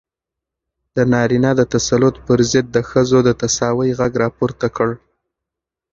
د نارينه د تسلط پر ضد د ښځو د تساوۍ غږ راپورته کړ.